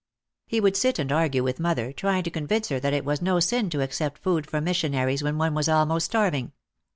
He would sit and argue with mother, trying to con vince her that it was no sin to accept food from mis sionaries when one was almost starving.